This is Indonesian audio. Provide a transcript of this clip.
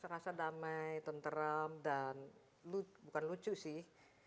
serasa damai tenteram dan bukan lucu sih